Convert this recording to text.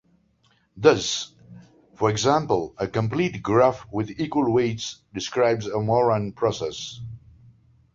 Thus, for example, a complete graph with equal weights describes a Moran process.